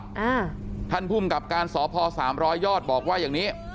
อ่าท่านภูมิกับการสพสามร้อยยอดบอกว่าอย่างนี้